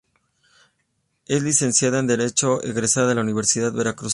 Es licenciada en derecho egresada de la Universidad Veracruzana.